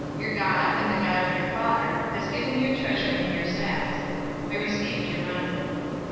Your God, and the God of your father, has given you treasure in your sacks. I received your money."